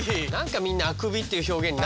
何かみんなあくびでいいのね？